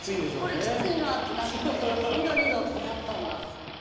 これきついなあってなって２度２度ってなったんだ。